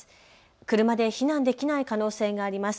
車で避難できない可能性があります。